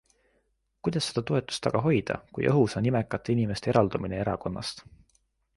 Kuidas seda toetust aga hoida, kui õhus on nimekate inimeste eraldumine erakonnast?